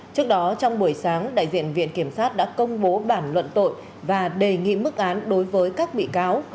trước đó trong buổi sáng đại diện viện kiểm sát đã công bố bản luận tội và đề nghị mức án đối với các bị cáo